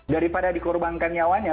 daripada dikorbankan nyawanya